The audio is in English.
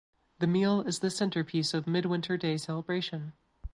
The meal is the centerpiece of Midwinter Day celebration.